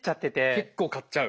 結構買っちゃう？